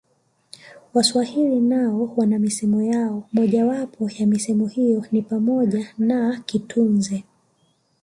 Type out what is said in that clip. Waswahili nao wana misemo yao Moja wapo ya misemo hiyo ni pamoja na kitunze